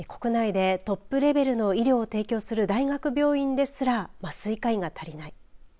国内でトップレベルの医療を提供する大学病院ですら麻酔科医が足りない。